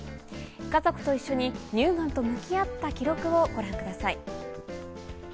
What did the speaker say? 家族と一緒に乳がんと向き合った記録をご覧ください。